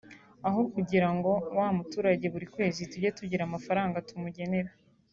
aho kugira ngo wa muturage buri kwezi tujye tugira amafaranga tumugenera